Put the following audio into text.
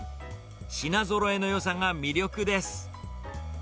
品ぞろえのよさが魅力です。